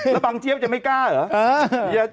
แล้วบังเจี๊ยบจะไม่กล้าเหรอ